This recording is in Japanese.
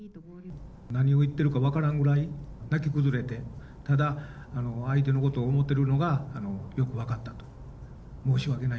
何を言ってるか分からんぐらい泣き崩れて、ただ、相手のことを思ってるのがよく分かったと。